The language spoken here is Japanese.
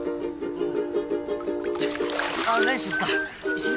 うん。